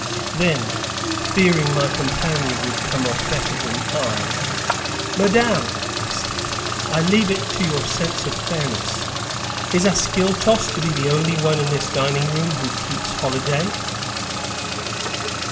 Then, fearing my companion would come off better than I, "Madame," I said, "I leave it to your sense of fairness: is Ascyltos to be the only one in this dining room who keeps holiday?"